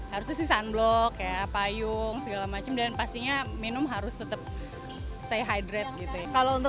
harus senang blok kayak payung segala macem dan pastinya minum harus tetap nahities kalau untuk